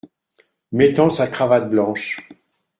Mettant sa cravate blanche.